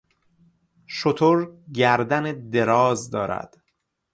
شتر گردن دراز دارد.